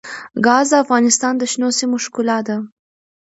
ګاز د افغانستان د شنو سیمو ښکلا ده.